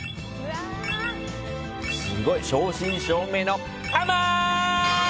すごい、正真正銘のあまーい！